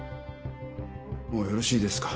もうよろしいですか？